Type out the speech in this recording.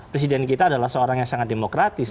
presiden kita adalah seorang yang sangat demokratis